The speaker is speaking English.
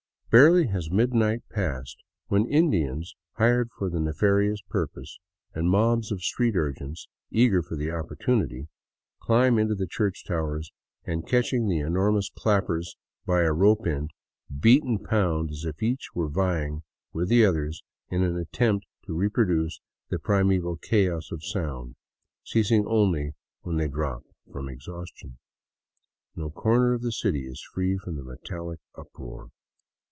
Barely has midnight passed, when Indians, hired for the nefarious purpose, and mobs of street urchins eager for the oppor tunity, climb into the church towers and, catching the enormous clappers by a rope end, beat and pound as if each was vying with the others in an attempt to reproduce the primeval chaos of sound, ceasing only when they drop from exhaustion. No corner of the city is free from the metallic uproar.